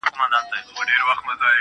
له غمه هېر يم د بلا په حافظه کي نه يم~